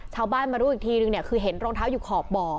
ชาวบ้านมารู้อีกทีนึงเนี่ยคือเห็นรองเท้าอยู่ขอบบ่อ